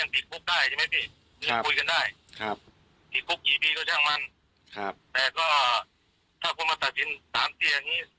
ยังคุยกันได้ติดคุกกี่ปีก็ช่างมันแต่ก็ถ้าคุณมาตัดสิน๓เสียงนี้